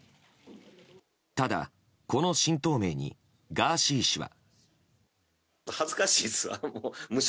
ただ、この新党名にガーシー氏は。